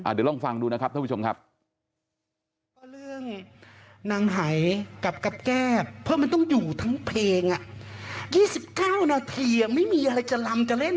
เดี๋ยวลองฟังดูนะครับท่านผู้ชมครับ